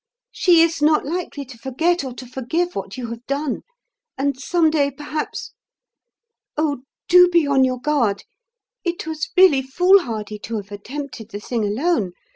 "She is not likely to forget or to forgive what you have done; and some day, perhaps ... Oh, do be on your guard. It was really foolhardy to have attempted the thing alone.